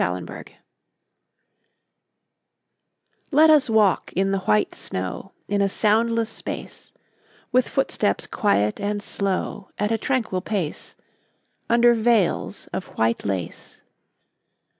VELVET SHOES Let us walk in the white snow In a soundless space; With footsteps quiet and slow, At a tranquil pace, Under veils of white lace.